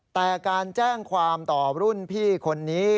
แต่การแจ้งความต่อรุ่นพี่คนนี้